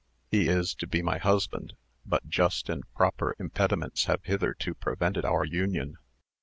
He is to be my husband, but just and proper impediments have hitherto prevented our union.